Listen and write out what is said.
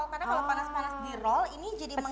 karena kalau panas panas dirol ini jadi menger